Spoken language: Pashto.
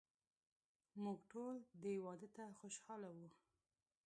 موږ ټول دې واده ته خوشحاله وو.